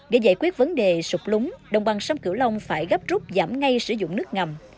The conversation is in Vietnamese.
để giải quyết vấn đề sụp lúng đồng bằng sông cửu long phải gấp rút giảm ngay sử dụng nước ngầm